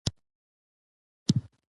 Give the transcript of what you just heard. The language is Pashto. خوب د بدن فعالیتونه تنظیموي